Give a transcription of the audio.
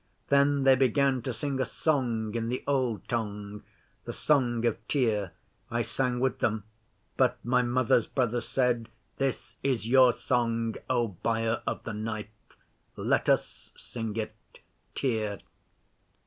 Then they began to sing a song in the Old Tongue The Song of Tyr. I sang with them, but my Mother's brother said, "This is your song, O Buyer of the Knife. Let us sing it, Tyr."